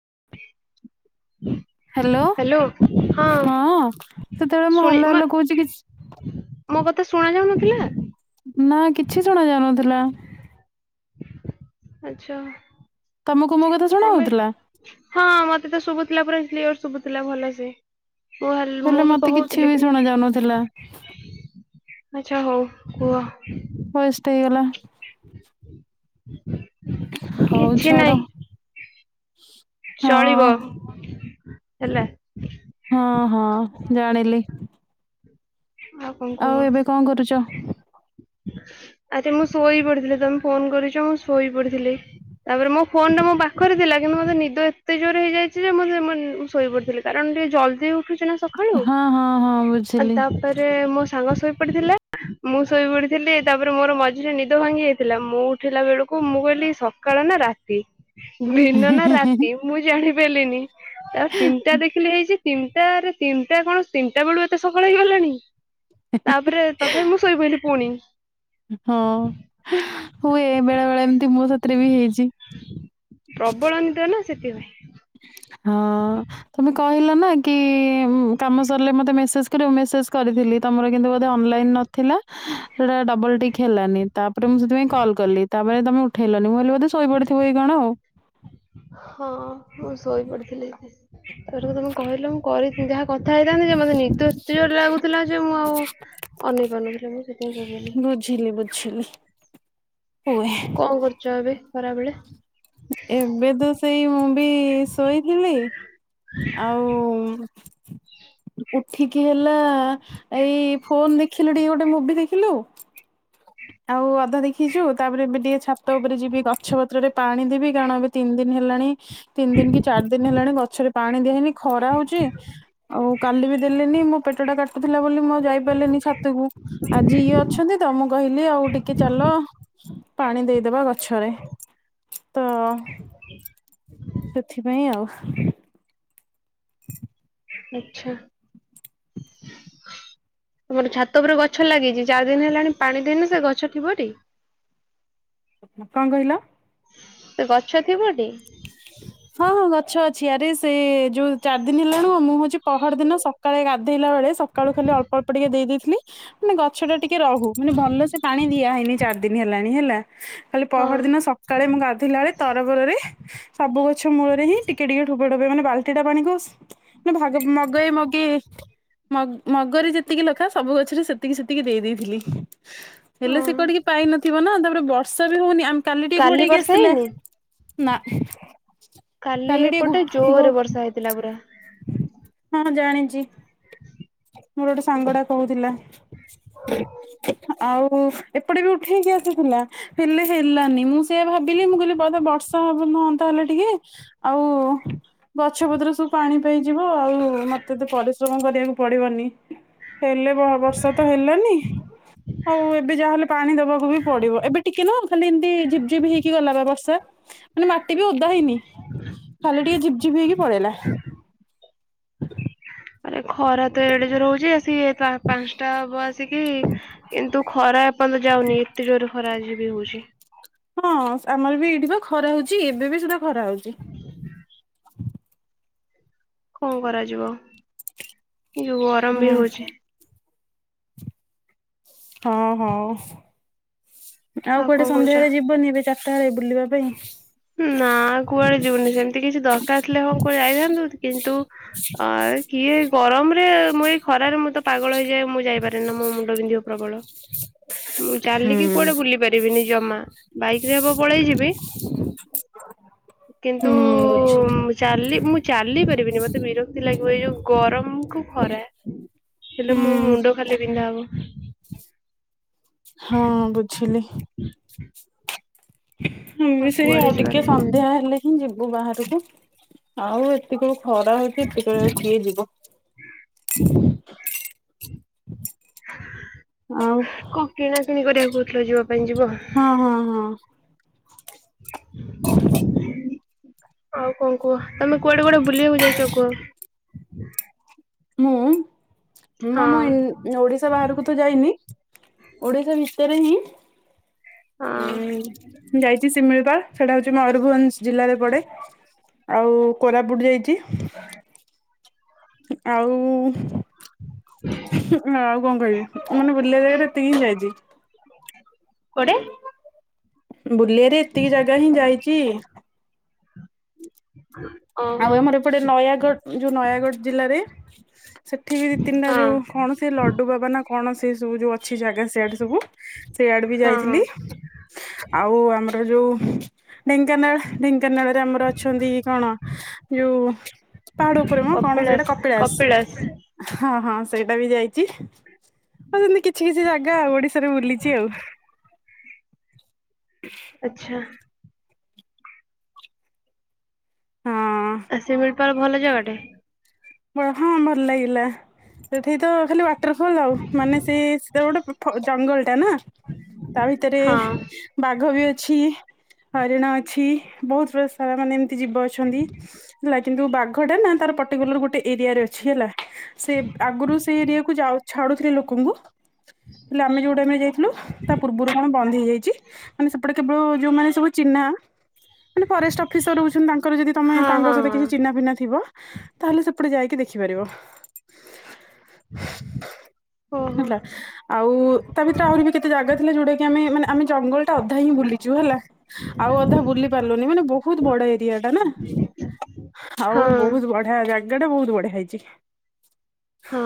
[inaudible] Hello ହଁ ସେତେବେଳେ ମୁଁ ଶୁଣି ହାଲୋ ହାଲୋ କହୁଛି କିଛି ତ ଶୁଣା ଯାଉନଥିଲା। ନା କିଛି ଶୁଣା ଯାଉନଥିଲା। ଆଚ୍ଛା। ତମକୁ ମୋ କଥା ଶୁଣା ତମେ ହଉଥିଲା ହଁ ମତେ ତ ଶୁଭୁଥିଲା ପୁରା କ୍ଳିଅର ଶୁଭୁଥିଲା ଭଲସେ। ମୁଁ ହାଲ ହେଲେ ମୁଁ ବି ମତେ କିଛି କହୁଥିଲି ବି କିନ୍ ଶୁଣା ଯାଉନଥିଲା। ଆଚ୍ଛା ହଉ କୁହ। ଫଏଷ୍ଟ ହେଇଗଲା। [inaudible] ହଉ କିଛି ଛାଡ ନାହିଁ ଚଳିବ ହଁ। ହେଲା। ହଁ ହଁ ଜାଣିଲି। ଆଉ ଏବେ କଁ କରୁଚ? ଆରେ ମୁଁ ଶୋଇ ପଡିଥିଲି, ତମେ ଫୋନ କରିଛ ମୁଁ ଶୋଇ ପଡିଥିଲି। ତାପରେ ମୋ ଫୋନଟା ମୋ ପାଖରେ ଥିଲା କିନ୍ତୁ ମୋତେ ନିଦ ଏତେ ଜୋରେ ହେଇଯାଇଚି ଯେ ମତ ସେ ଶୋଇ ପଡିଥିଲି କାରଣ ଟିକେ ଜଲଦି ଉଠୁଚି ନା ସଖାଳୁ। ହଁ ହଁ ହଁ ଆଉ ବୁଝିଲି। ତାପରେ ମୋ ସାଙ୍ଗ ଶୋଇ ପଡିଥିଲା ମୁଁ ଶୋଇ ପଡିଥିଲି ତାପରେ ମୋର ମଝିରେ ନିଦ ଭାଙ୍ଗି ଯାଇଥିଲା, ମୁଁ ଉଠିଲା ବେଳକୁ ମୁଁ କହିଲି ସକାଳ ନା ରାତି। ଦିନ ନା ରାତି ମୁଁ ଜାଣିପାରିଲିନି ତ ତିନଟା ଦେଖିଲି ହେଇଚି ତିନଟାରେ ତିନଟା କଣ ତିନଟା ବେଳୁ ଏତେ ସକାଳ ହେଇଗଲାଣି। ତାପରେ ତଥାପି ମୁଁ ଶୋଇପଇଲି ପୁଣି। ହଁ ହୁଏ ବେଳେ ବେଳେ ଏମତି ମୋ ସା ଥିରେ ବି ହେଇଚି। ପ୍ରବଳ ନିଦ ସେଥିପାଇଁ। ହଁ ତମେ କ କହିଲ ନା କି ଉଁ କାମ ସରିଲେ ମୋତେ ମେସେଜ୍ କରିବ, ମେସେଜ୍ କରିଥିଲି ତମର କିନ୍ତୁ ବୋଧେ ଅନଲାଇନ୍ ନ ଥିଲା ସେଟା ଡବଲ ଟିକ୍ ହେଲାନି ତାପରେ ମୁଁ ସେଥିପାଇଁ କଲ୍ କଲି ତା ପରେ ତମେ ଉଠେଇଲନି ମୁଁ କହିଲି ଭାବିଲି ବୋଧେ ଶୋଇ ପଡିଥିବ କି କଣ ଆଉ। ହଁ ମୁଁ ଶୋଇ ପଡିଥିଲି। ରୁ ତମେ କହିଲ ମୁଁ କରିଥିଲି ଯାହା କଥା ହେଇଥାନ୍ତି ଯେ ମୋତେ ନିଦ ଏତେ ଜୋର ଲାଗୁଥିଲା ଯେ ମୁଁ ଆଉ ଅନେଇ ପାରୁନଥିଲି ମୁଁ ସେଥିପାଇଁ ଶୋଇପଇଲି। ବୁଝିଲି ବୁଝିଲି। ହୁଏ। କଣ କରୁଛ ଏବେ ଖରାବେଳେ। ଏବେ ତ ସେଇ ମୁଁ ବି ଶୋଇଥିଲି। ଆଉ ଉଠିକି ହେଲା ଏଇ ଫୋନ୍ ଦେଖିଲୁ ଟିକେ ଗୋଟେ ମୁଭି ଦେଖିଲୁ। ଆଉ ଅଧା ଦେଖିଛୁ ତାପରେ ଏବେ ଟିକେ ଛାତ ଉପରେ ଯିବି ଗଛ ପତ୍ରରେ ପାଣି ଦେବି କାରଣ ଏବେ ତିନି ଦିନ ହେଲାଣି ତିନି ଦିନ କି ଚାରି ଦିନ ହେଲାଣି ଗଛରେ ପାଣି ଦିଆହେଇନି ଖରା ହଉଛି ଆଉ କାଲି ବି ଦେଲିନି ମୋ ପେଟ ଟା କାଟୁଥିଲା ବୋଲି ମୁଁ ଯାଇ ପାରିଲିନି ଛାତକୁ। ଆଜି ଇଏ ଅଛନ୍ତି ତ ମୁଁ କହି ଆଉ ଟିକେ ଚାଲ ପାଣି ଦେଇଦବା ଗଛରେ। ତଅ। ସେଥିପାଇଁ ଆଉ। [inaudible] ଆଛା। [inaudible] ତମର ଛାତ ଉପରେ ଗଛ ଲାଗିଛି ଚାରି ଦିନ ହେଲାଣି ପାଣି ଦେଇନ ସେ ଗଛ ଥିବଟି। କଣ କହିଲ? ସେ ଗଛ ଥିବ ଟି। ହଁଁ ଗଛ ଅଛି ଆରେ ସେ ଯୋଉ ଚାରି ଦିନ ହେଲାଣି ମୁଁ ହଉଛି ପହର ଦିନ ସକାଳେ ଧେଇଲାବେଳେ ସକାଳୁ ଖାଲି ଅଳ୍ପ ଅଳ୍ପ ଟିକେ ଦେଇଦେଇଥିଲି। ମାନେ ଗଛ ଟା ଟିକେ ରହୁ ମାନେ ଭଲସେ ପାଣି ଦିଆ ହେଇନି ଚାରି ଦିନ ହେଲାଣି ହେଲା। କାଲି ପହର ହଁ ଦିନ ସକାଳେ ମୁଁ ଗାଧେଇଲା ବେଳେ ତରବରରେ ସବୁ ଗଛ ମୂଳରେ ହିଁ [unintelligible] ମାନେ ବାଲଟି ଟା ପାଣିକୁସ୍ ମାନେ ଭାଗ ମଗେଇ ମଗେ। ମଗର ଯେତିକି ଲେଖା ସବୁ ଗଛରେ ସେତିକି ସେତିକି ଦେଇ ଦେଇଦେଇଥିଲି। ହେଲେ ହଁ ସେ କୁଆଡିକି ପାଇନଥିବ ନା ତାପରେ ବର୍ଷା ବି ହଉନି ଆମ କାଲି ଟିକେ ଘୋଡେଇକି ବର୍ଷା ଆସିଥିଲେ ହେଇନି? ନା। କାଲି ଟିକେ ଘୋ ଏପଟେ ଘୋ ଜୋରେ ବର୍ଷା ହେଇଥିଲା ପୁରା। ହଁ ଜାଣିଛି। ମୋର ଗୋଟେ ସାଙ୍ଗ ଟା କହୁଥିଲା। ଆଉ ଏପଟେ ବି ଉଠେଇକି ଆସିଥିଲା ହେଲେ ହେଲାନି ମୁଁ ସେଆ ଭାବୁ ଥୀଲି ମୁଁ କିଲି ବଧେ ବର୍ଷା ହବ ହଅନ୍ତା ହେଲେ ଟିକେ ଆଉ ଗଛ ପତ୍ର ସବୁ ପାଣି ପାଇଯିବ ଆଉ ମତେ ଏତେ ପରିଶ୍ରମ କରିବାକୁ ପଡିବନି ହେଲେ ବର୍ଷା ତ ହେଲାନି ଆଉ ଏବେ ଯାହେଲେ ପାଣି ଦବାକୁ ବି ପଡିବ ଏବେ ଟିକେ ନ ଖାଲି ଏମିତି ଝିପ ଝିପ୍ ହେଇକି ଗଲା ବା ବର୍ଷା ମାନେ ମାଟି ବି ଓଦା ହେଇନି ଖାଲି ଟିକେ ଝିପଝିପ ହେଇକି ପଳେଇଲା। ଆରେ ଖରା ତ ଏଡେ ଯୋଉ ରହୁଛି। ସିଏ ପାଞ୍ଚଟା ହବ ଆସିକି କିନ୍ତୁ ଖରା ଏପର୍ଯ୍ୟନ୍ତ ଯାଉନି ଏତେ ଜୋରରେ ଖରା। ଆଜି ବି ହଉଛି। ହଁ ଆମର ବି ଏଇଠି ତ ଖରା ହଉଛି ଏବେ ବି ସୁଧା ଖରା ହଉଛି। କଣ କରାଯିବ ୟୁ ଗରମ ହୁଁ। ବି ହଉଛି। ହଁ ହଁ ଆଉ ଆଉ କଣ କୁଆଡ଼େ କହୁଛ? ସନ୍ଧ୍ୟାରେ ଯିବନି ଏବେ ଚାର ତାରେ ବୁଲିବା ପାଇଁ। ନା କୁଆଡେ ଯିବନି ସେମିତି କିଛି ଦରକାର ଥିଲେ ହଁ କୁଆଡେ ଯାଇଥାନ୍ତୁ କିନ୍ତୁ ଅ କିଏ ଗରମ ରେ ମୁଁ ଏଇ ଖରାରେ ମୁଁ ତ ପାଗଳ ହେଇଯାଏ ମୁଁ ଯାଇପାରେନା ମୋ ମୁଣ୍ଡ ବିନ୍ଧିବ ପ୍ରବଳ। ମୁଁ ଚାଲିକି ହୁଁ କୁଆଡେ ବୁଲି ପାରିବିନି ଜମା ବାଇକ ରେ ହବ। ପଳେଇ ଯିବି। କିନ୍ତୁ ହୁଁ ବୁଝିଲି ଚାଲି ମୁଁ ଚାଲି ପାରିବିନି ମତେ ବିର କ୍ତି ଲାଗିବ ଏଇ ଯୋଉ ଗରମ କୁ ଖରା ହେଲେ ମୋ ହୁଁ। ମୁଣ୍ଡ ଖାଲି ବିନ୍ଧା ହବ। ହଁ ବୁଝିଲି। [inaudible] ଆମ ବି ଆଉ ସେୟା କୁଆଡେ ଟିକେ ଯିବାନି। ସନ୍ଧ୍ୟା ହେଲେ ହିଁ ଯିବୁ ବାହାରକୁ। ଆଉ ଏତିକଳୁ ଖରା ହେଉଛି କେତେବେଳେ କିଏ ଯିବ। ଆଉ [unintelligible] କ କିଣା? ବହୁଥିଲ ଯିବ। [unintelligible] ହଁ ହଁ ହଁ। [unintelligible] ଆଉ କଣ କୁହ? ତମେ କୁଆଡେ କୁଆଡେ ବୁଲିବାକୁ ଯାଇଛ କୁହ? ମୁଁ ହଁ ମୁଁ ଓଡିଶା ବାହାରକୁ ତ ଯାଇନି, ଓଡିଶା ରେ ହିଁ ଉଁ, ହଁ। ମୁଁ ଯାଇଛି ଶିମିଳିପାଳ, ସେଟା ହଉଛି ମୟୂରଭଞ୍ଜ ଜିଲ୍ଲାରେ ପଡେ ଆଉ କୋରାପୁଟ ଯାଇଚି। ଆଉ ଆଉ କଣ କହିବି, ମାନେ ବୁଲିଆ ଜାଗରେ ଏତିକି ହିଁ ଯାଇଚି। କୁଆଡ଼େ? ବୁଲି ଆରେ ଏତିକି ଜାଗା ହିଁ ଯାଇଚି। [unintelligible] ଆଉ ଆମର ଏପଟେ ନୟାଗଡ ଯୋଉ ନୟାଗଡ ଜିଲ୍ଲାରେ, ସେଠି ବି ଦି ତିନିଟା ହଁ ଯୋଉ କଣ ସେ ଲଡୁ ବାବା ନା କଣ, ସେ ସବୁ ଯୋଉ ଅଛି ଜାଗା ସିଆଡେ ସବୁ ସେଇଆଡେ ବି ହଁ ହଁ ଯାଇଥିଲି। ଆଉ ଆମର ଯୋଉ ଢେଙ୍କାନାଳ, ଢେଙ୍କ ଢେଙ୍କାନାଳରେ ଆମର ଅଛନ୍ତି କଣ ଯୋଉ ପାହାଡ ଉପରେ ମଁ କଣ ସେଇଟା କପିଳାସ କପିଳାସ୍, କପିଳାସ ହଁ ହଁ ସେଇଟା ବି ଯାଇଚି ଆଉ [unintelligible] କିଛି କିଛି ଜାଗା ଓଡିଶାରେ ବୁଲିଚି ଆଉ। [inaudible] ଆଚ୍ଛା। ହଁ। ଆ ଶିମିଳିପାଳ ଭଲ ଜାଗାଟେ [unintelligible] ହଁ ଭଲ ଲାଗିଲା। ସେଠି ତ ଖାଲି ୱାଟରଫଲ୍ ଆଉ ମାନେ ସେ ସେଟା ଗୋଟେ ଫ ଜଙ୍ଗଲ ଟା ନାଁ। ତା ଭିତରେ ହଁ ବାଘ ବି ଅଛି। ହରିଣ ଅଛି ବହୁତ୍ [unintelligible] ସାରା ମାନେ ଏମ୍ତି ଜୀବ ଅଛନ୍ତି, ଲାଗ୍ କିନ୍ତୁ ବାଘଟା ନାଁ ତାର ପର୍ଟିକୁଲାର ଗୋଟେ ଏରିଆରେ ଅଛି ହେଲା। ସେ ଆଗୁରୁ ସେଇ ଏରିଆକୁ ଯାଉ ଛାଡୁଥିଲେ ଲୋକଙ୍କୁ [unintelligible] ଆମେ ଯୋଉ ଟାଇମରେ ଯାଇଥିଲୁ ତା ପୂର୍ବରୁ କଣ ବନ୍ଦ ହେଇଯାଇଛି ମାନେ ସେପଟେ କେବଳ ଯୋଉମାନେ ସବୁ ଚିହ୍ନ ଆଁ ମାନେ ଫରେଷ୍ଟ ଅଫିସର୍ ରହୁଛନ୍ତି, ତାଙ୍କର ଯଦି ତମେ ହଁ ତାଙ୍କ ହଁ ସହିତ ହଁ। କିଛି ଚିହନାଫିନା ଥିବ ତାହେଲେ ସେ କି ଦେଖିପାରିବ। [unintelligible] ହଁ [inaudible] ହେଲା ଆଉ ତା ଭିତ୍ରେ ଆହୁରି ବି କେତେ ଜାଗା ଥିଲା, ଯୋଉଟା କି ଆମେ ମାନେ ଆମେ ଜଙ୍ଗଲଟା ଅଧା ହିଁ ବୁଲିଚୁ, ହେଲା। ଆଉ ଅଧା ବୁଲି ପାରିଲୁନି, ମାନେ ବହୁତ ବଡ ଏରିଆଟା ନା। ଆଉ ହଁ ବହୁତ୍ ବଢିଆ, ଜାଗାଟା ବହୁତ୍ ବଢିଆ ହେଇଚି। ହଁ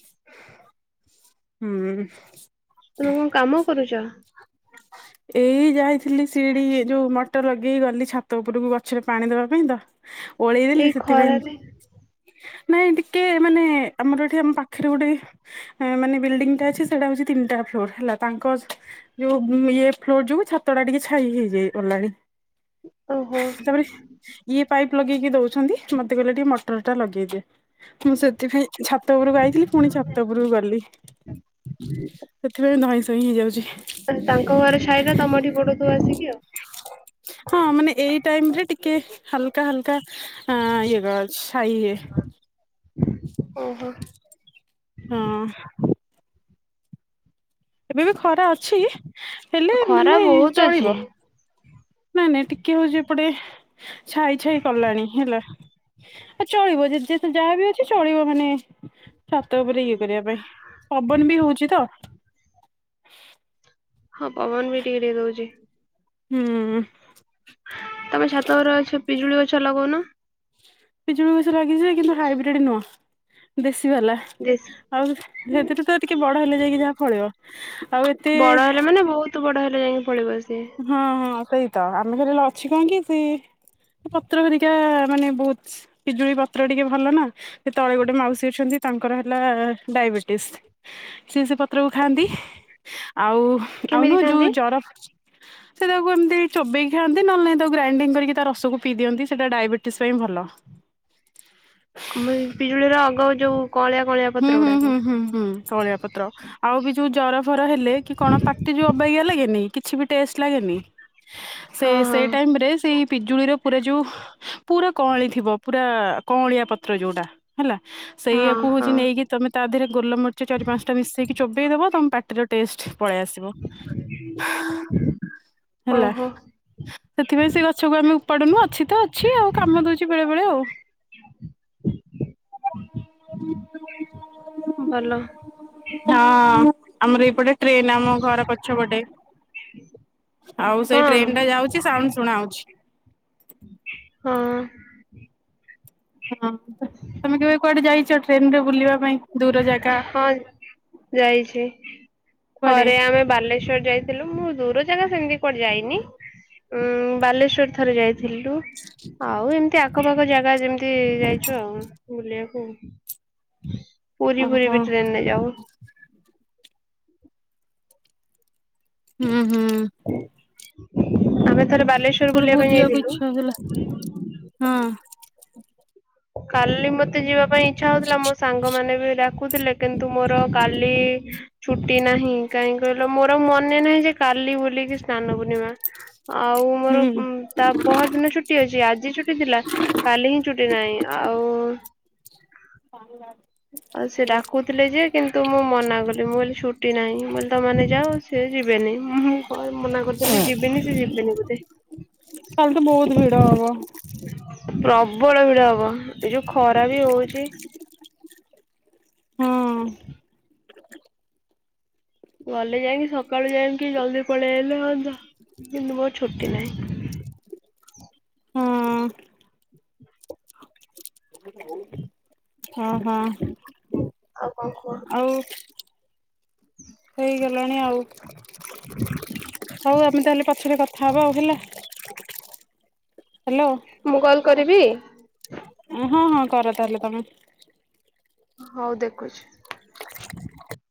ହୁଁ ତୁମେ କଣ କାମ କରୁଚ? [inaudible] ଏଇ ଯାଇଥିଲି ସିଡି ଏ ଯୋଉ ମଟର ଲଗେଇ ଗଲି ଛାତ ଉପୁରୁକୁ, ଗଛରେ ପାଣି ଦେବା ପାଇଁ ତ। ଓଳେଇଦେଲି, ଏଇ ସେଥିପାଇଁ ଖରାରେ ନାଇଁ ଟିକେ, ମାନେ ଆମର ଏଠି ଆମ୍ ପାଖେରେ ଗୋଟେଇ ମାନେ ବିଲ୍ଡିଂଟା ଅଛି ସେଟା ହଉଛି ତିନ୍ଟା ଫ୍ଲୋର ହେଲା, ତାଙ୍କ ଯୋଉ ଇଏ ଫ୍ଲୋର ଯୋଗୁ ଛାତଟା ଟିକେ ଛାଇ ହେଇଯାଇ ଗଲାଣି। ଓହୋ। ତାପରେ ଇଏ ପାଇପ୍ ଲଗେଇକି ଦଉଛନ୍ତି, ମତେ କହିଲେ ଟିକେ ମଟରଟା ଲଗେଇଦେ। ମୁଁ ସେଥିପାଇଁ ଛାତ ଉପୁରକୁ ଆଇଥିଲି, ପୁଣି ଛାତ ଉପୁରକୁ ଗଲି। ସେଥିପାଇଁ ଧଇଁ ସଇଁ ହେଇଯାଉଚି। ତାଙ୍କ ଘରେ ଛାଇଟା ତମଠି ପଡୁଥିବ ଆସିକି ଆଉ। ହଁ ମାନେ ଏଇ ଟାଇମରେ ଟିକେ ହାଲକା ହାଲକା ଆଁ ଇଏ ଗ ଛାଇ ଇଏ ଓହୋ। ହଁ। ଏବେ ବି ଖରା ଅଛି ହେଲେ ଖରା ମାନେ ବହୁତ ଅଛି ଚଳିବ ନାଇଁ ନାଇଁ ଟି ଟିକେ ହୋଉଚି ଏପଟେ ଛାଇ ଛାଇ କଲାଣି ହେଲା। ଆ ଚଳିବ ଯାହା ବି ଅଛି ଚଳିବ ମାନେ ଛାତ ଉପରେ ଇଏ କରିବା ପାଇଁ ପବନ ବି ହୋଉଚି ତ। ହଁ ପବନ ବି ଟିକେ ଟିକେ ଦୋଉଚି। ହୁଁ। ତମେ ଛାତରେ ଗଛ ପିଜୁଳି ଗଛ ଲଗୋଉନ? ପିଜୁଳି ଗଛ ଲାଗିଚି ଯେ କିନ୍ତୁ ହାଇବ୍ରିଡ ନୁହଁ ଦେଶି ଗଲା ଦେଶୀ ଆଉ ସେଥିରୁ ତ ଟିକେ ବଡ ହେଲେ ଯାଇକି ଯାହା ଫଳିବ। ଆଉ ଏତେ ବଡ ହେଲେ ମାନେ ବହୁତ ବଡ ହେଲେ ଯାଇକି ଫଳିବ ସିଏ ହଁ ହଁ ସେଇ ତ ଆମେ ଫରଳେ ଅଛି କାହିଁକି ସେ ପତ୍ର ହେ ଲରିକା ମାନେ ବହୁତ ପିଜୁଳି ପତ୍ର ଟିକେ ଭଲ ନା ସେ ତଳେ ଗୋଟେ ମାଉସୀ ଅଛନ୍ତି ତାଙ୍କର ହେଲା ଡାଇବେଟିସ ସିଏ ସେ ପତ୍ରକୁ ଖାଆନ୍ତି ଆଉ ଆଉ କେମିତି ନୁହ ଯୋଉ ଖାଆନ୍ତି? ଜର [inaudible] ସେ ତାକୁ ଏମିତି ଚୋବେଇକି ଖଆନ୍ତି ନହଲେ ତାକୁ ଗ୍ରାଇଣ୍ଡିଙ୍ଗ କରିକ ତା ରସକୁ ପିଇ ଦିଅନ୍ତି ସେଇଟା ଡାଇବେଟିସ ପାଇଁ ଭଲ। ଆମର ପିଜୁଳିର ଆଗ ଯୋଉ କଅଁଳିଆ କଅଁଳିଆ ହୁଁ ପତ୍ର ହୁଁ ଗୁଡାକ। ହୁଁ ହୁଁ ହୁଁ ଶଳିଆ ପତ୍ର ଆଉ ବି ଯୋଉ ଜର ଫର ହେଲେ କି କଣ ପାଟି ଯୋଉ ଅବାଗିଆ ଲାଗେ କିଛି ବି ଟେଷ୍ଟ ସେ ହଁ ସେ ହଁ ଟାଇମରେ ସେ ପିଜୁଳିର ପୁରା ଯୋଉ ପୁରା କଅଁଳି ଥିବ ପୁରା କଅଁଳିଆ ପତ୍ର ଯୋଉଟା ହେଲା। ହଁ ସେଇଆାକୁ ହୋଉଚି ହଁ ନେଇକି ତମେ ତା ଦେହରେ ଗୋଲମ ମରିଚ ଚାରି ପାଞ୍ଚଟା ମିଶେଇକି ଚୋବେଇଦବ ତମେ ପାଟି ଟେଷ୍ଟ ପଳେଇ ଆସିବ ହାଁ। ହେଲା ଓହୋ ସେଥିପାଇଁ ସେ ଗ ଛକୁ ଆମେ ଉପାଡୁନୁ ଅଛି ତ ଅଛି ଆଉ କାମ ଦୋଉଚି ବେଳେ ବେଳେ ଆଉ। ଭଲ। ହଁ ଆମର ଏଇପଟେ ଟ୍ରେନ ଆମ ଘର ପଛପଟେ ଆଉ ହଁ ସେଇ ଟ୍ରେନ ଟା ଯାଉଛି ସାଉଣ୍ଡ ଶୁଣା ହୋଉଛି। ହଁ ହଁ ତମେ କେବେ କୁଆଡେ ଯାଇଛ ଟ୍ରେନ ରେ ବୁଲିବା ପାଇଁ? ଦୂର ଜାଗା ହଁ ଯାଇଛି। କୁଆଡେ? ଥରେ ଆମେ ବାଲେଶ୍ୱଵର ଯାଇଥିଲୁ ମୁଁ ଦୂର ଜାଗା ସେମିତି କୁଆଡ ଯାଇନି। ଉଁ ବାଲେଶ୍ଵର ଥରେ ଯାଇଥିଲୁ। ଆଉ ଏମିତି ଆଖପାଖ ଜାଗା ଯେମିତି ଯାଇଚୁ ଆଉ ବୁଲିବାକୁ ପୁରୀ ଫୁରୀ ଓହୋ ବି ଟ୍ରେନରେ ଯାଉ। ହୁଁ ହୁଁ। ଆମେ ଥରେ ବାଲେଶ୍ଵର ପୁରୀ ବୁଲିବା ପୁରୀ ପାଇଁ ଯିବାକୁ ଯାଇଥିଲୁ। ଇଚ୍ଛା ହୋଇଥିଲା ହଁ। କାଲି ମତେ ଯିବା ପାଇଁ ଇଚ୍ଛା ହୋଉଥିଲା। ମୋ ସାଙ୍ଗମାନେ ଡାକୁଥିଲେ କିନ୍ତୁ ମୋର କାଲି ଛୁଟି ନାହିଁ। କାହିଁ କହିଲ ମୋର ମନେ ନାହିଁ କାଲି ବୋଲିକି ସ୍ନାନ ପୁର୍ଣ୍ଣିମା ଆଉ ମୋର ତା ପହର ଦିନ ଛୁଟି ଅଛି ଆଜି ଛୁଟି ଥିଲା କାଲି ହିଁ ଛୁଟି ନାହିଁ। ଆଉ [unintelligible] ଆଉ ସେ ଡାକୁଥିଲେ ଯେ କିନ୍ତୁ ମୁଁ ମନା କଲି ମୁଁ କହି ଛୁଟି ନାହିଁ ତ ମାନେ ଯାଅ ସେ ଯିବେନି ମୁଁଁ ମ ମନା ହୁଁ କରିଦେଲି ଯିବିନି ସେ ଯିବେନି ବୋଧେ କାଲି ତ ବୋହୁତ ଭିଡ଼ ହବ। ପ୍ରବଳ ଭିଡ ହବ ଏ ଯୋଉ ଖରା ବି ହୋଉଚି। ହୁଁ। ଗଲେ ଯାଇକି ସକାଳୁ ଯାଇକି ଜଲଦି ପଳେଇଲେ ହୁଅନ୍ତ କିନ୍ତୁ ମୋର ଛୁଟି ନାହିଁ। ହଁ। ହଁ ହଁ ଆଉ କଣ କୁହ? ଆଉ ହେଇଗଲାଣି ଆଉ। ହଉ ଆମେ ତାହେଲେ ପଛରେ କଥା ହବା ଆଉ ହେଲା। ହ୍ୟାଲୋ ମୁଁ କଲ୍ କରିବି? ହଁ ହଁ କର ତାହେଲେ ତମେ। ହଉ ଦେଖୁଚି।